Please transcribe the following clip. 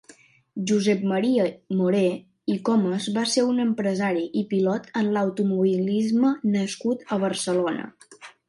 Josep Maria Moré i Comas va ser un empresari i pilot en l'automovilisme nascut a Barcelona.